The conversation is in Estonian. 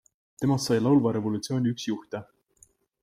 Temast sai laulva revolutsiooni üks juhte.